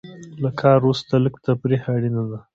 له کار وروسته لږه تفریح اړینه ده.